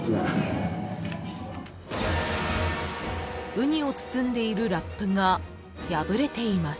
［うにを包んでいるラップが破れています］